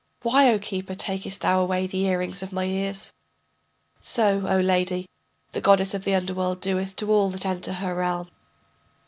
Why, O keeper, takest thou away the earrings of my ears? So, O lady, the goddess of the underworld doeth to all that enter her realm.